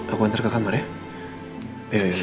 aku antar ke kamar ya